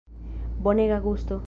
Bonega gusto!